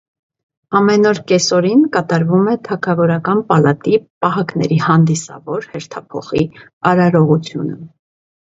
Ամեն օր կեսօրին կատարվում է թագավորական պալատի պահակների հանդիսավոր հերթափոխի արարողությունը։